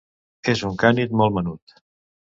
És un cànid molt menut.